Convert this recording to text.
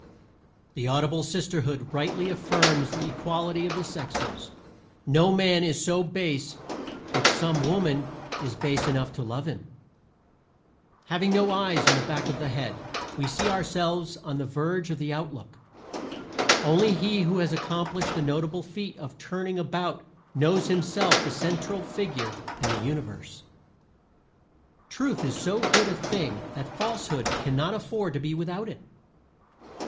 The Audible Sisterhood rightly affirms the equality of the sexes: no man is so base but some woman is base enough to love him. Having no eyes in the back of the head, we see ourselves on the verge of the outlook. Only he who has accomplished the notable feat of turning about knows himself the central figure in the universe. Truth is so good a thing that falsehood can not afford to be without it.